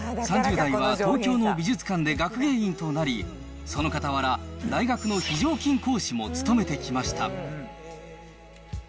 ３０代は東京の美術館で学芸員となり、そのかたわら、大学の非常勤講師も務めてきました。